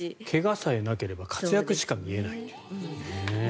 怪我さえなければ活躍しか見えない。